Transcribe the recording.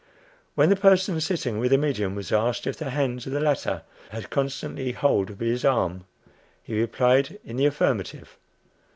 When the person sitting with the medium was asked if the hands of the latter had constantly hold of his arm, he replied in the affirmative.